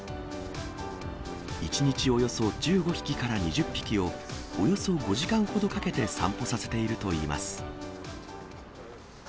１日およそ１５匹から２０匹を、およそ５時間ほどかけて散歩させているといいます。